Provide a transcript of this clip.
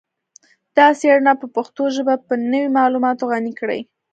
دا څیړنه به پښتو ژبه په نوي معلوماتو غني کړي